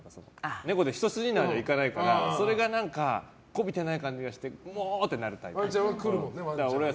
猫って一筋縄ではいかないからそれが媚びてない感じがしてもう！ってなるタイプ。